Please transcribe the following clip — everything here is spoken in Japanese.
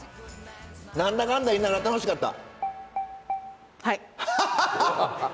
何だかんだ言いながら楽しかった？